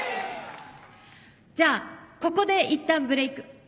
じゃあここでいったんブレイク。